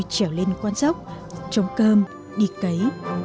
chẻo lên quan sốc trống cơm đi cấy